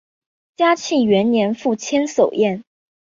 嘉庆元年赴千叟宴。